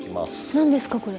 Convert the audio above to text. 何ですか？